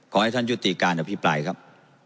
ขอให้ท่านยุติการอภิปรายครับ